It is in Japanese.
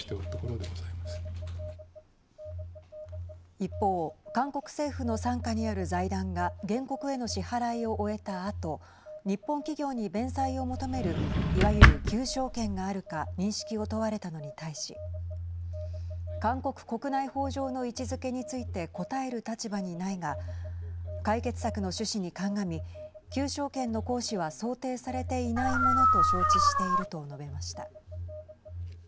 一方、韓国政府の傘下にある財団が原告への支払いを終えたあと日本企業に弁済を求めるいわゆる求償権があるか認識を問われたのに対し韓国国内法上の位置づけについて答える立場にないが解決策の趣旨に鑑み求償権の行使は想定されていないものと承知していると述べました。